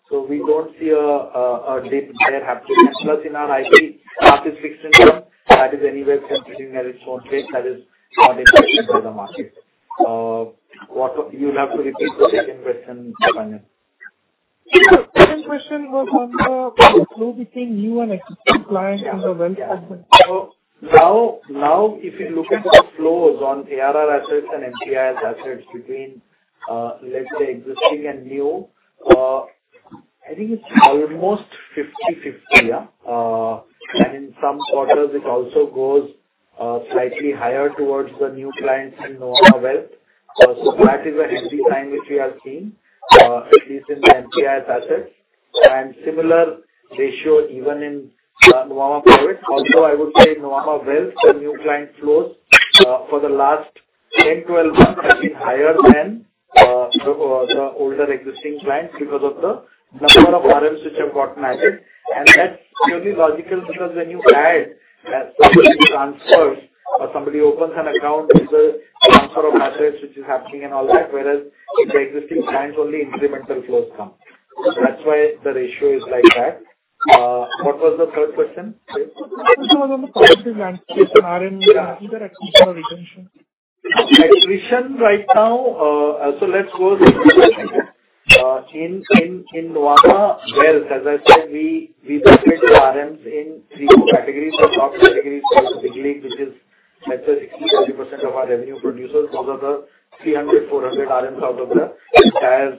So we don't see a dip there happening. Plus, in our IPO rest is fixed income, that is anyway competing at its own pace, that is not impacted by the market. What of... You'll have to repeat the second question, Dipanjan. Sure. Second question was on the flow between new and existing clients in the wealth segment. Now, if you look at the flows on ARR assets and NNM assets between, let's say, existing and new, I think it's almost fifty-fifty. And in some quarters, it also goes slightly higher towards the new clients in Nuvama Wealth. So that is a healthy sign which we are seeing, at least in NNM assets, and similar ratio even in Nuvama Private. Also, I would say Nuvama Wealth, the new client flows, for the last ten, twelve months, has been higher than the older existing clients because of the number of RMs which have gotten added. And that's purely logical, because when you add somebody transfers or somebody opens an account, there's a transfer of assets which is happening and all that. Whereas, if the existing clients, only incremental flows come. That's why the ratio is like that. What was the third question? It was on the competitive landscape, RM- Yeah. attrition or retention. Attrition right now, so let's go in Nuvama Wealth, as I said, we separate the RMs in three categories. The top category is big league, which is, let's say, 60%-70% of our revenue producers. Those are the 300-400 RMs out of the entire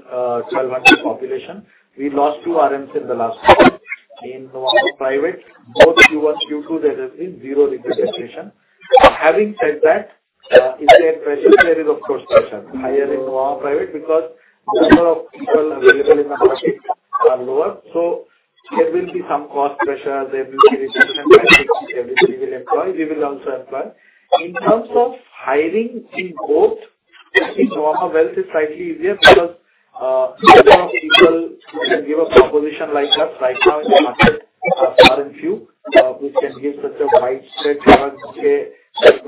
1,200 population. We lost two RMs in the last quarter. In Nuvama Private, both Q1, Q2, there has been zero liquid attrition. Having said that, is there pressure? There is, of course, pressure. Higher in Nuvama Private, because the number of people available in the market are lower. So there will be some cost pressure, there will be retention, which we will employ. We will also employ. In terms of hiring in both, in Nuvama Wealth is slightly easier because number of people who can give a proposition like us right now in the market are very few. We can give such a widespread product,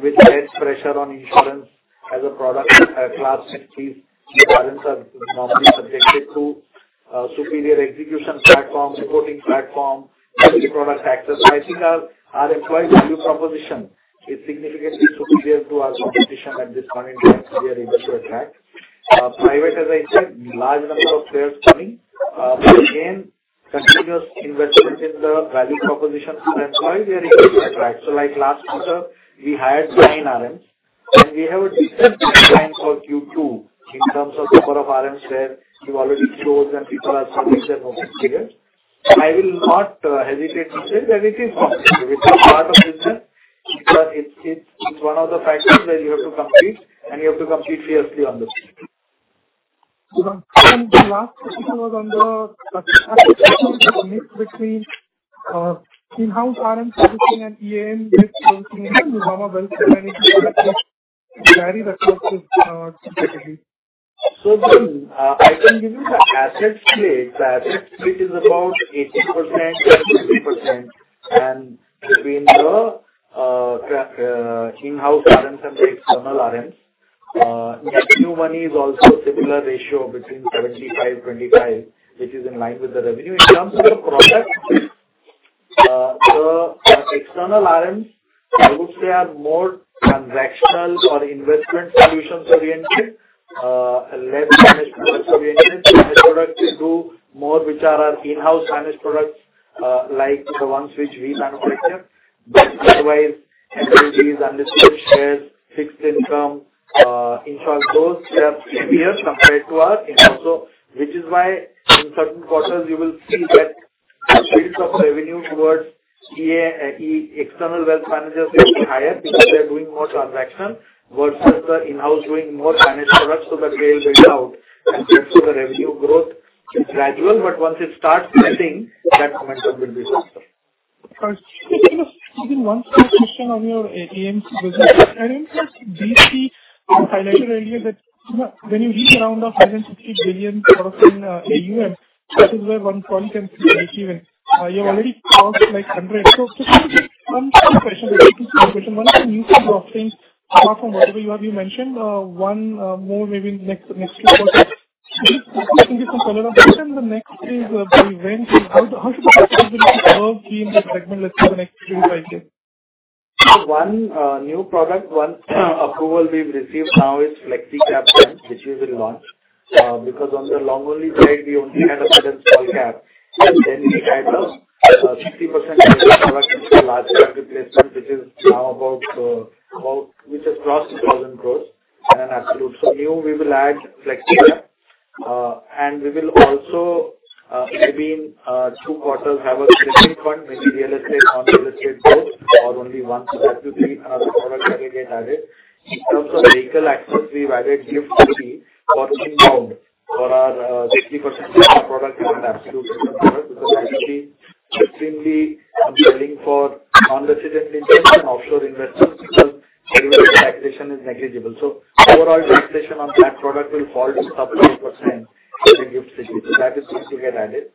with less pressure on insurance as a product class, these clients are normally subjected to, superior execution platform, reporting platform, multi-product access. So I think our employee value proposition is significantly superior to our competition at this point in time, so we are able to attract. Private, as I said, large number of players coming. Again, continuous investments in the value proposition, so that's why we are able to attract. So like last quarter, we hired nine RMs, and we have a decent time for Q2 in terms of number of RMs there. You already showed and people are submitting them over here. I will not hesitate to say that it is possible. It is part of business, but it, it's one of the factors that you have to complete, and you have to complete seriously on this. So the last question was on the between in-house RM servicing and external servicing, Nuvama Wealth Management, various classes, specifically. So then, I can give you the asset split. The asset split is about 80%, 20%, and between the in-house RMs and the external RMs. New money is also a similar ratio between 75-25, which is in line with the revenue. In terms of the product, the external RMs, I would say, are more transactional or investment solutions-oriented, less managed products-oriented. Managed products do more, which are our in-house managed products, like the ones which we manufacture. But otherwise, equities, unlisted shares, fixed income, in fact, those they are heavier compared to our in-house. So which is why in certain quarters you will see that the yields of revenue towards EAM, external wealth managers is higher because they're doing more transaction versus the in-house doing more managed products, so that they will build out, and that's where the revenue growth is gradual, but once it starts setting, that momentum will be faster. Just one quick question on your AMC business. I think that you highlighted earlier that when you reach around the five and fifty billion product in AUM, that is where one point can be achieved, and you've already crossed, like, hundred. So just maybe one question, one of the new product things, apart from whatever you have, you mentioned, one more maybe next two quarters. Please can you give some color on this? And the next is the debt. How should the CAGR be in that segment, let's say, for the next three, five years? One new product, one approval we've received now is Flexi Cap Ten, which we will launch, because on the long-only side, we only had a small cap, and then we had 60% large cap replacement, which has crossed 2,000 crores in absolute. So now we will add Flexi, and we will also maybe in two quarters, have a different fund, maybe real estate, non-real estate both, or only one. So that will be another product that will get added. In terms of vehicle access, we've added GIFT City for inbound for our 60% product and absolute product, because that will be extremely appealing for non-resident Indians and offshore investors, because qualification is negligible. So overall, taxation on that product will fall to 5%-10% in the GIFT City. So that is once you get added.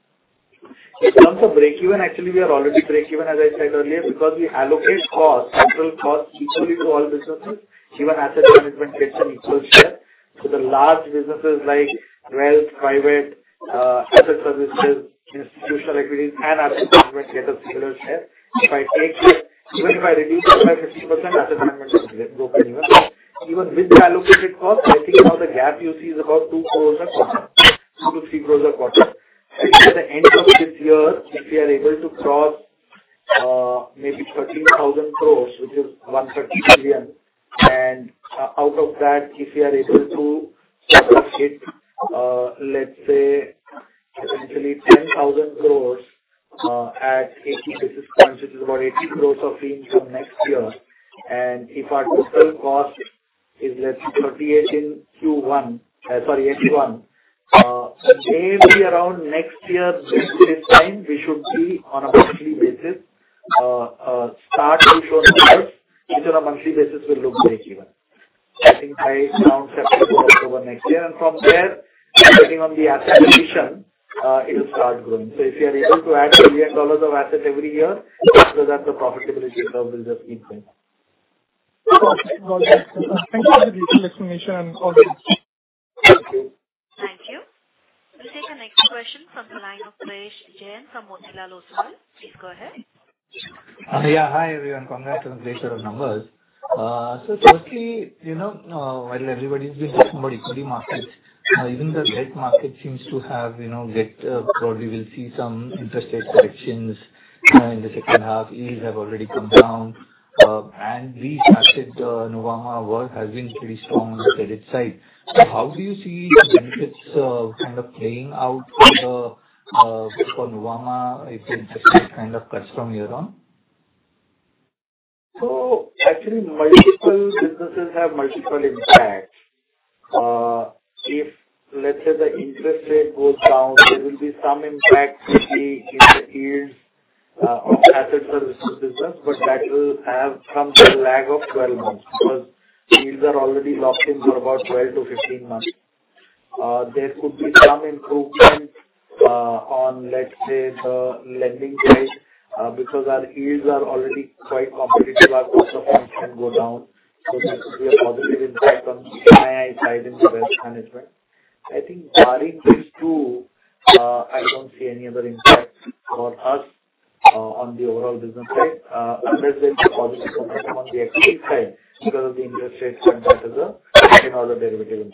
In terms of breakeven, actually, we are already breakeven, as I said earlier, because we allocate costs, central costs, equally to all businesses, even asset management gets an equal share. So the large businesses like wealth, private, asset services, institutional equities, and asset management get a similar share. If I take it, even if I reduce it by 50%, asset management will break even. Even with allocated costs, I think now the gap you see is about two crores, two to three crores a quarter. At the end of this year, if we are able to cross, maybe thirteen thousand crores, which is one thirty billion, and out of that, if we are able to hit, let's say, essentially ten thousand crores, at eighty basis points, which is about eighty crores of fee income next year, and if our total cost is, let's say, thirty-eight in Q1, sorry, H1, maybe around next year this time, we should be on a monthly basis, start to show the growth, which on a monthly basis will look breakeven. I think by around September, October next year, and from there, depending on the asset addition, it will start growing. So if you are able to add billion dollars of asset every year, after that, the profitability curve will just keep going. Thank you for the detailed explanation and all this. Thank you. We'll take the next question from the line of Prayesh Jain from Motilal Oswal. Please go ahead. Yeah, hi, everyone. Congrats on the great numbers. So firstly, you know, while everybody's been talking about equity markets, even the debt market seems to have, you know, probably will see some interest rate corrections in the second half. Yields have already come down, and we stated Nuvama Wealth has been pretty strong on the credit side. So how do you see benefits kind of playing out for Nuvama, if the interest rate kind of cuts from here on? So actually, multiple businesses have multiple impact. If, let's say, the interest rate goes down, there will be some impact, mostly in the yields of assets or resources, but that will have some lag of 12 months, because yields are already locked in for about 12 to 15 months. There could be some improvement on, let's say, the lending side, because our yields are already quite competitive, our costs can go down. So that could be a positive impact on the NII side in the wealth management. I think barring these two, I don't see any other impact for us. On the overall business side, unless there's a positive impact on the equity side, because of the interest rate as a, in all the derivative.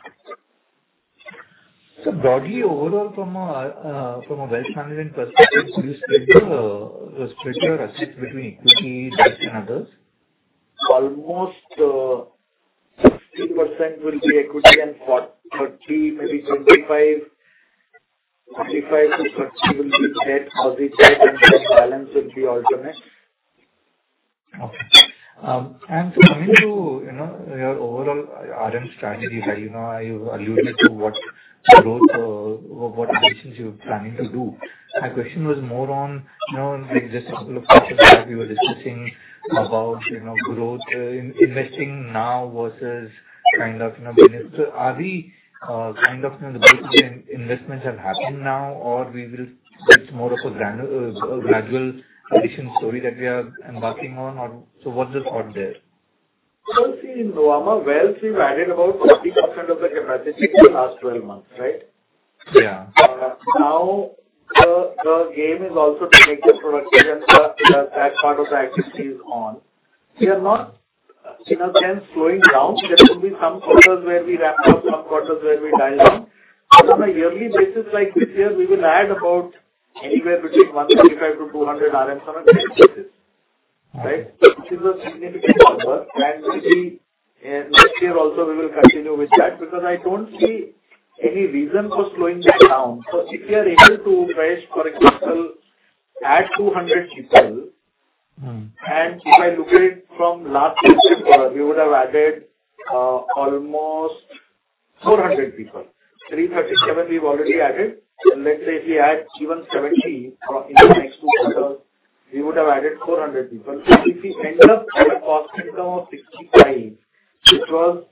So broadly, overall, from a wealth management perspective, do you see the structured asset between equity, debt and others? Almost 60% will be equity and 30, maybe 25%-30% will be debt, and the balance will be alternatives. Okay. And coming to, you know, your overall RM strategy, how, you know, you alluded to what growth, what additions you're planning to do. My question was more on, you know, like just a couple of quarters back, we were discussing about, you know, growth in investing now versus kind of, you know, business. So are we, kind of, you know, the bulk of the investments have happened now or we will, it's more of a gradual addition story that we are embarking on or so what's the thought there? See, in Nuvama Wealth, we've added about 30% of the capacity in the last 12 months, right? Yeah. Now, the game is also to make this productive and that part of the activity is on. We are not, in a sense, slowing down. There will be some quarters where we ramp up, some quarters where we dial down. On a yearly basis, like this year, we will add about anywhere between 175 to 200 RMs on a daily basis, right? Which is a significant number. And we see, next year also we will continue with that, because I don't see any reason for slowing that down. So if you are able to raise, for example, add 200 people- Mm. and if I look at it from last year, we would have added almost 400 people. 337, we've already added. So let's say if we add even 70 from in the next two quarters, we would have added 400 people. So if we end up with a cost income of 65, which was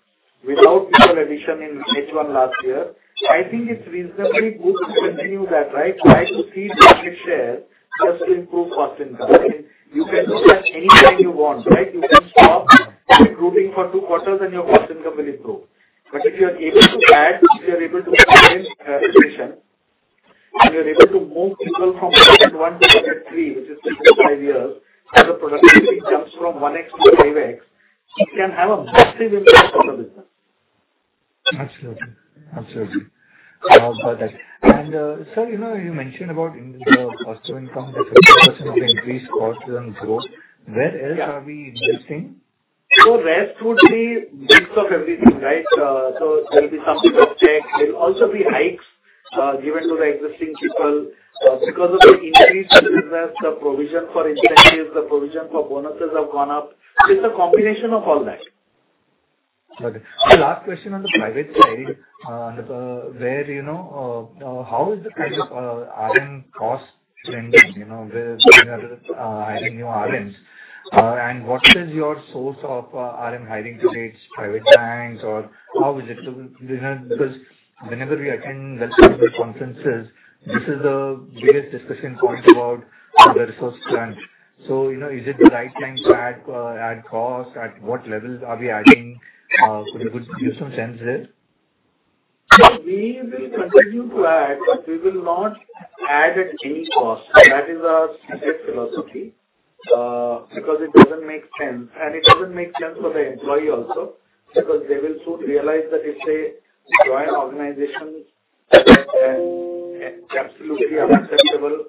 without people addition in H1 last year, I think it's reasonably good to continue that, right? Try to see market share just to improve cost income. I mean, you can do that anytime you want, right? You can stop recruiting for two quarters and your cost income will improve. But if you are able to add, if you are able to maintain addition, and you're able to move people from segment one to segment three, which is five years, where the productivity jumps from one X to five X, you can have a massive impact on the business. Absolutely. Absolutely. Got that and, sir, you know, you mentioned about in the cost income, the 30% of increased costs and growth. Where else are we investing? So rest would be mix of everything, right? So there'll be some subject check. There'll also be hikes given to the existing people because of the increased business, the provision for incentives, the provision for bonuses have gone up. It's a combination of all that. Okay. The last question on the private side, you know, how is the kind of RM cost trending, you know, with hiring new RMs? What is your source of RM hiring today? It's private banks or how is it? Because whenever we attend conferences, this is the biggest discussion point about the resource crunch. You know, is it the right time to add cost? At what levels are we adding? You could give some sense there. So we will continue to add, but we will not add at any cost. That is our set philosophy, because it doesn't make sense, and it doesn't make sense for the employee also. Because they will soon realize that if they join organization at absolutely unacceptable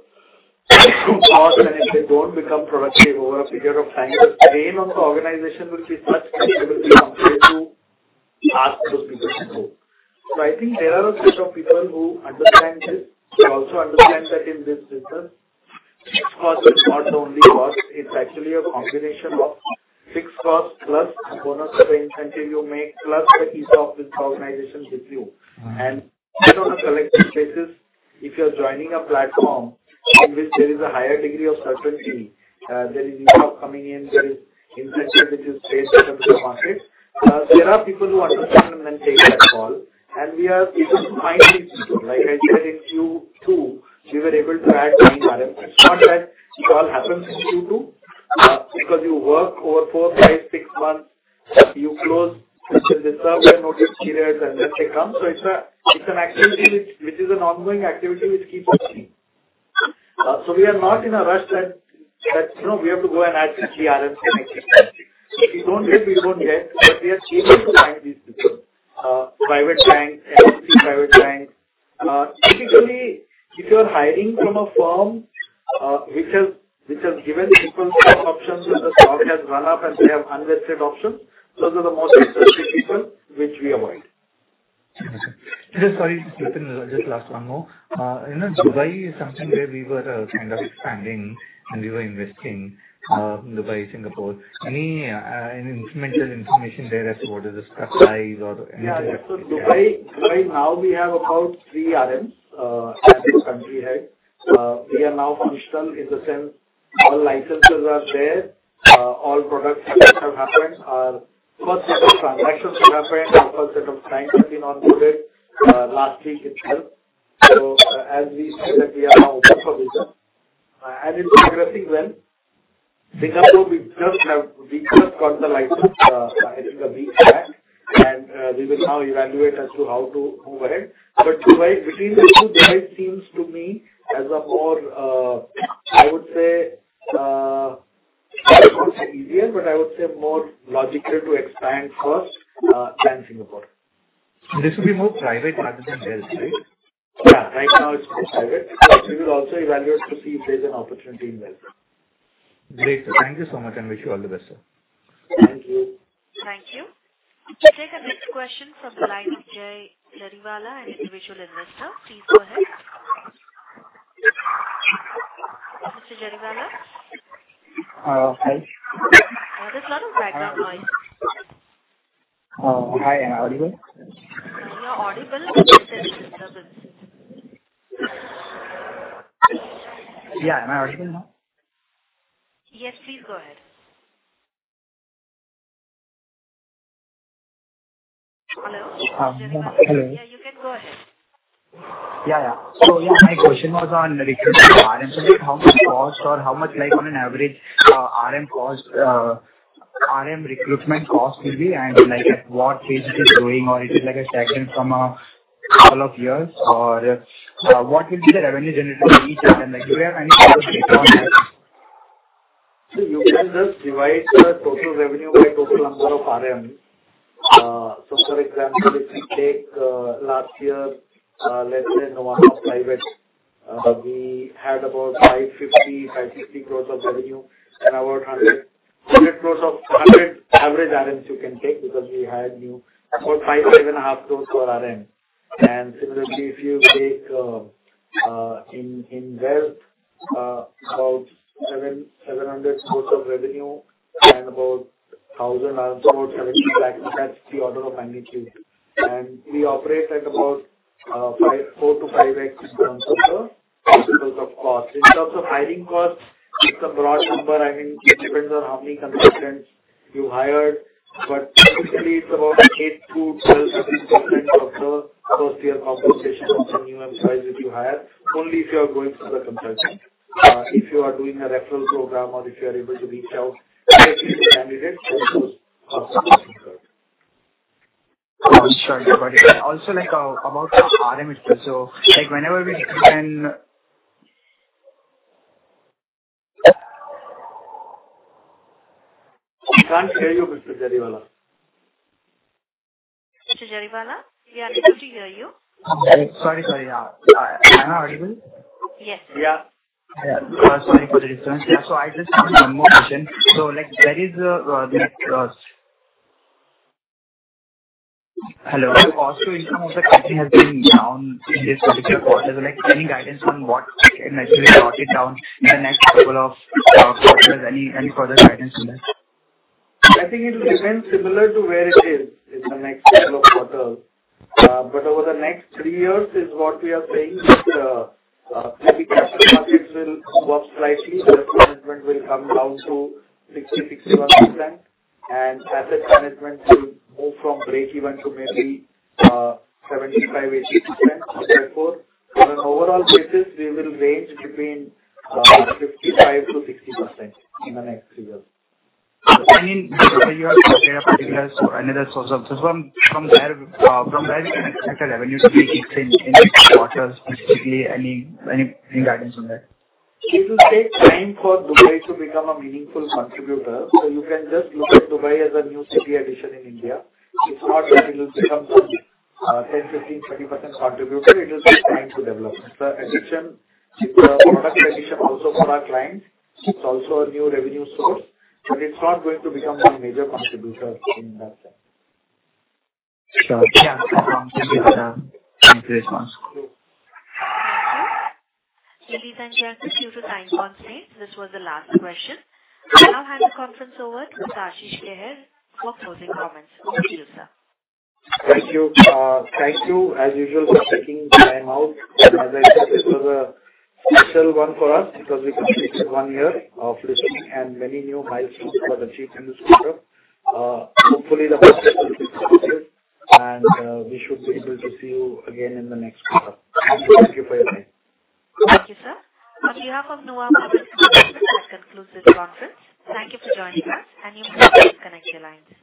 cost, and if they don't become productive over a period of time, the strain on the organization will be such that we will be compelled to ask those people to go. So I think there are a set of people who understand this, but also understand that in this business, cost is not only cost, it's actually a combination of fixed cost plus bonus or the incentive you make, plus the piece of this organization with you. Mm. And based on a collective basis, if you're joining a platform in which there is a higher degree of certainty, there is enough coming in, there is incentive which is based on the market. There are people who understand and then take that call, and we are able to find these people. Like I said, in Q2, we were able to add nine RMs. It's not that it all happens in Q2, because you work over four, five, six months, you close with the notice periods, and then they come. So it's an activity which is an ongoing activity which keeps on seeing. So we are not in a rush that you know, we have to go and add three RMs in a week. So if we don't get, we won't get, but we are seeking to find these people, private banks. Typically, if you are hiring from a firm, which has given people stock options, and the stock has run up, and they have unvested options, those are the most expensive people, which we avoid. Just, sorry, just one more. You know, Dubai is something where we were kind of expanding and we were investing, Dubai, Singapore. Any, any incremental information there as to what is the size or- Yeah, so Dubai. Dubai now we have about three RMs, as a country head. We are now functional in the sense all licenses are there, all products which have happened. Our first set of transactions have happened. Our first set of clients have been on-boarded, last week itself. So as we say that we are now open for business, and it's progressing well. Singapore, we just have we just got the license, I think a week back. We will now evaluate as to how to move ahead. But Dubai, between the two, Dubai seems to me as a more, I would say, easier, but I would say more logical to expand first, than Singapore. This will be more private rather than wealth, right? Yeah, right now it's more private. We will also evaluate to see if there's an opportunity in wealth. Great, sir. Thank you so much, and wish you all the best, sir. Thank you. Thank you. We'll take the next question from the line of Jay Jariwala, an individual investor. Please go ahead. Mr. Jariwala? Uh, hi. There is a lot of background noise. Hi, am I audible? You are audible, but there's disturbance. Yeah. Am I audible now? Yes, please go ahead. Hello? Um, hello. Yeah, you can go ahead. Yeah, yeah. So yeah, my question was on recruitment of RMs. How much cost or how much, like, on an average, RM cost, RM recruitment cost will be, and, like, at what phase it is growing or is it, like, a second from a couple of years? Or, what will be the revenue generated in each, and, like, do you have any thoughts on that? You can just divide the total revenue by total number of RMs. For example, if you take last year, let's say, in Nuvama Private, we had about 550-560 crores of revenue and about 100 average RMs you can take, because we had about 5-5.5 crores per RM. And similarly, if you take in Nuvama Wealth, about 700 crores of revenue and about 1,000 RMs, that's the order of magnitude. And we operate at about 4-5x in terms of the principles of cost. In terms of hiring costs, it's a broad number. I mean, it depends on how many consultants you hired, but typically it's about 8- 12 of the first year compensation of the new RM size that you hire, only if you are going through the consultant. If you are doing a referral program or if you are able to reach out directly to the candidates, then those costs are lower. Sure. But it's also, like, about the RM as well. So, like, whenever we can- We can't hear you, Mr. Jariwala. Mr. Jariwala, we are not able to hear you. Sorry, sorry. Yeah. Am I audible? Yes. Yeah. Yeah, sorry for the disturbance. Yeah, so I just have one more question. So, like, there is a, like, Hello. Cost-to-income of the company has been down in this particular quarter. Like, any guidance on what can actually drop it down in the next couple of quarters? Any further guidance on that? I think it will remain similar to where it is in the next couple of quarters. But over the next three years is what we are saying, maybe capital markets will go up slightly, risk management will come down to 60%-61%, and asset management will move from breakeven to maybe 75%-80%. Therefore, on an overall basis, we will range between 55%-60% in the next three years. I mean, you have another source of- so from there, you can expect a revenue to be in next quarters, specifically, any guidance on that? It will take time for Dubai to become a meaningful contributor. So you can just look at Dubai as a new city addition in India. It's not that it will become some 10%, 15%, 20% contributor. It will take time to develop. It's a addition, it's a product addition also for our clients. It's also a new revenue source, but it's not going to become a major contributor in that sense. Sure. Yeah. Thank you, sir. Thank you for your response. Thank you. Ladies and gentlemen, due to time constraint, this was the last question. I now hand the conference over to Ashish Kehair for closing comments. Over to you, sir. Thank you. Thank you as usual for taking the time out. And as I said, this was a special one for us because we completed one year of listing and many new milestones were achieved in this quarter. Hopefully the best is yet to come, and we should be able to see you again in the next quarter. Thank you for your time. Thank you, sir. On behalf of Nuvama Markets, this concludes this conference. Thank you for joining us, and you may disconnect your lines.